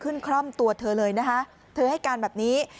คร่อมตัวเธอเลยนะคะเธอให้การแบบนี้